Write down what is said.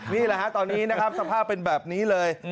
นี่แหละฮะตอนนี้นะครับสภาพเป็นแบบนี้เลย